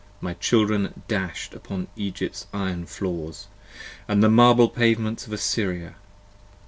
my children dash'd Upon Egypt's iron floors, & the marble pavements of Assyria!